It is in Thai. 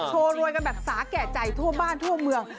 รวยกันแบบสาแก่ใจทั่วบ้านทั่วเมือง